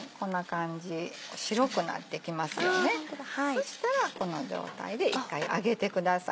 そしたらこの状態で一回上げてください。